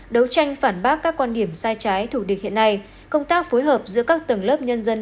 đấu tranh phản bác các quan điểm sai trái thủ địch hiện nay công tác phối hợp giữa các tầng lớp nhân dân